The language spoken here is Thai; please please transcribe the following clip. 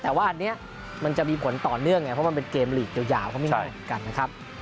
แต่ว่าอันนี้มันจะมีผลต่อเนื่องไงเพราะมันเป็นเกมลีกยาวเขาไม่มีเหมือนกันนะครับ